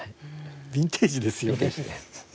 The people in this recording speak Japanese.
ビンテージですよね。